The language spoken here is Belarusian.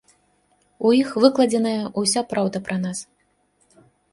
У іх выкладзеная ўся праўда пра нас.